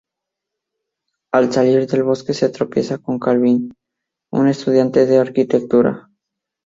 Al salir del bosque, se tropieza con Calvin, un estudiante de arquitectura.